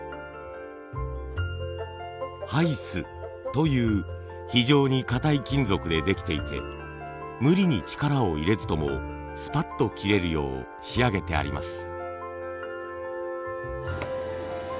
ハイスという非常に硬い金属でできていて無理に力を入れずともスパッと切れるよう仕上げてあります。